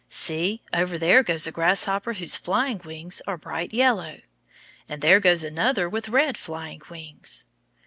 See, over there goes a grasshopper whose flying wings are bright yellow. And there goes another with red flying wings.